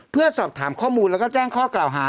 เพื่อสอบถามข้อมูลแล้วก็แจ้งข้อกล่าวหา